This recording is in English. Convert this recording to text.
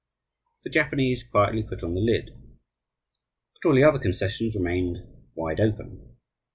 The Japanese quietly put on the lid. But all the other concessions remained "wide open."